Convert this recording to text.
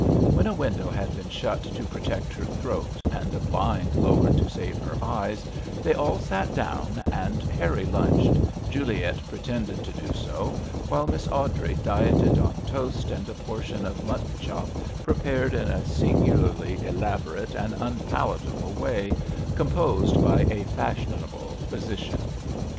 When a window had been shut to protect her throat and a blind lowered to save her eyes, they all sat down, and Harry lunched, Juliet pretended to do so, while Miss Awdrey dieted on toast and a portion of mutton chop prepared in a singularly elaborate and unpalatable way composed by a fashionable phy sician.